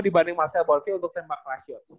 dibanding marcel bonville untuk tembak lashor